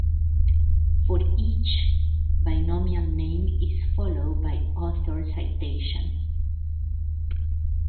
For each, binomial name is followed by author citation.